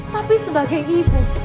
tapi sebagai ibu